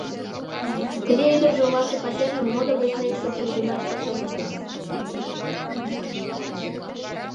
Тыге ӱдыржӧ оласе пачержым модо гыч лекше кӱлдымаш деч эрыктен.